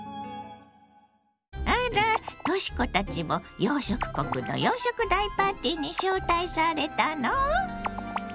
あらとし子たちも洋食国の洋食大パーティーに招待されたの？